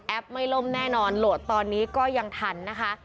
ไม่ล่มแน่นอนโหลดตอนนี้ก็ยังทันนะคะ